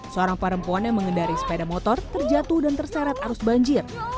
seorang perempuan yang mengendari sepeda motor terjatuh dan terseret arus banjir